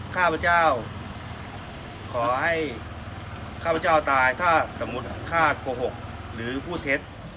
ข้าพเจ้าขอให้ข้าพเจ้าตายถ้าสมมุติข้าโกหกหรือพูดเท็จ